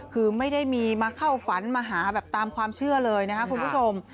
คือไม่ได้มีมาเข้าฝันมาหาแบบตามความเชื่อเลยนะครับคุณผู้ชม